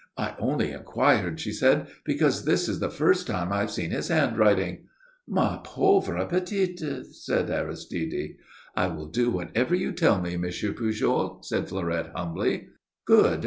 "I only inquired," she said, "because this is the first time I have seen his handwriting." "Ma pauvre petite," said Aristide. "I will do whatever you tell me, M. Pujol," said Fleurette, humbly. "Good!